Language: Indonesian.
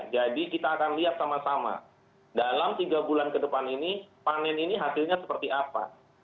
jadi kita akan lihat sama sama dalam tiga bulan ke depan ini panen ini hasilnya seperti apa